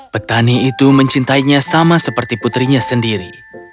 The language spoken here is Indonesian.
petani itu mencintainya sama seperti putrinya sendiri